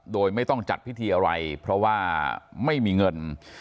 โดยไม่ต้องจัดพิธีอะไรเพราะว่าไม่มีเงิน